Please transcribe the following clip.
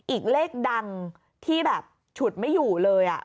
อีกเลขดังที่แบบฉุดไม่อยู่เลย